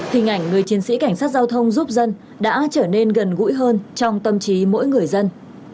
hình ảnh người chiến sĩ cảnh sát giao thông giúp dân đã trở nên gần gũi hơn trong tâm trí mỗi người dân